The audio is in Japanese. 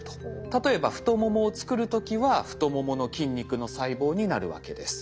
例えば太ももを作る時は太ももの筋肉の細胞になるわけです。